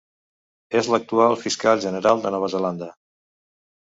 És l'actual Fiscal General de Nova Zelanda.